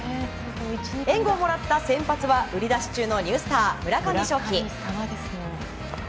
援護をもらった先発は売り出し中のニュースター村上頌樹。